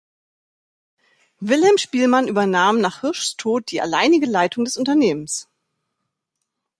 Wilhelm Spielmann übernahm nach Hirschs Tod die alleinige Leitung des Unternehmens.